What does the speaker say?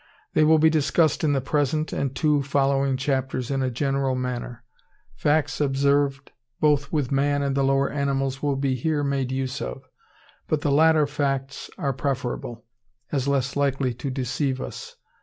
They will be discussed in the present and two following chapters in a general manner. Facts observed both with man and the lower animals will here be made use of; but the latter facts are preferable, as less likely to deceive us.